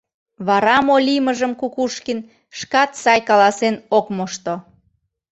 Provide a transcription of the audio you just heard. Вара мо лиймыжым Кукушкин шкат сай каласен ок мошто.